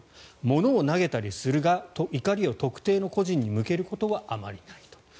物を投げたりするが怒りを特定の個人に向けることはあまりないと。